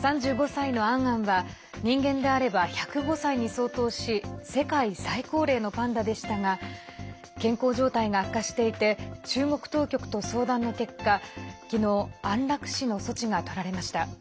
３５歳のアンアンは人間であれば１０５歳に相当し世界最高齢のパンダでしたが健康状態が悪化していて中国当局と相談の結果きのう、安楽死の措置がとられました。